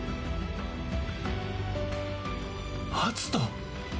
篤斗！